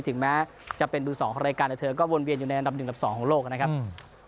ถึงแม้จะเป็นมือสองของรายการแต่เธอก็วนเวียนอยู่ในอันดับหนึ่งกับสองของโลกนะครับอืม